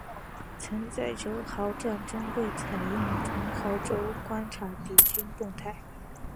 曾在堑壕战中被用来从壕沟观察敌军动态。